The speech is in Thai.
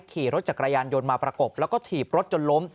ขี่รถจักรยานยนต์มาประกบแล้วก็ถีบรถจนล้ม